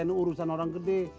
ni urusan orang gede